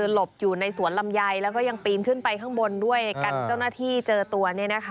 หลบอยู่ในสวนลำไยแล้วก็ยังปีนขึ้นไปข้างบนด้วยกันเจ้าหน้าที่เจอตัว